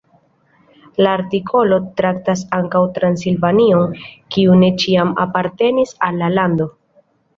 La artikolo traktas ankaŭ Transilvanion, kiu ne ĉiam apartenis al la lando.